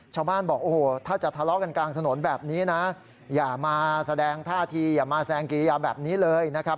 ชาวบ้านบอกโอ้โหถ้าจะทะเลาะกันกลางถนนแบบนี้นะอย่ามาแสดงท่าทีอย่ามาแซงกิริยาแบบนี้เลยนะครับ